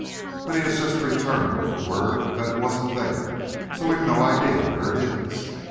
But he has just returned with the word that it wasn't there. So we've no idea where it is."